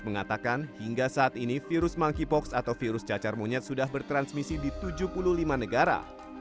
mengatakan hingga saat ini virus monkeypox atau virus cacar monyet sudah bertransmisi di tujuh puluh lima negara